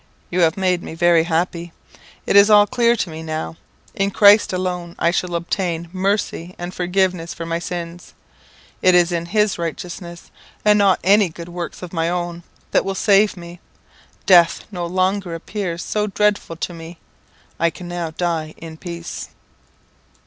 You have made me very happy. It is all clear to me now. In Christ alone I shall obtain mercy and forgiveness for my sins. It is his righteousness, and not any good works of my own, that will save me. Death no longer appears so dreadful to me. I can now die in peace."